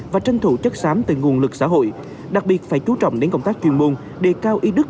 và tranh thủ chất xám từ nguồn lực xã hội đặc biệt phải chú trọng đến công tác chuyên môn đề cao y đức